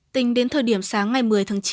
tính đến thời điểm sáng ngày một mươi tháng chín